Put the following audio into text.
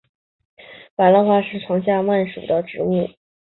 百簕花是爵床科百簕花属的植物。